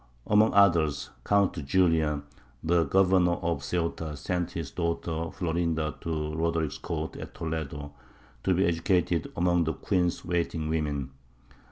Among others, Count Julian, the governor of Ceuta, sent his daughter Florinda to Roderick's court at Toledo to be educated among the queen's waiting women.